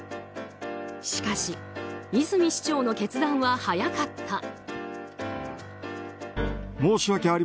しかし、泉市長の決断は早かった。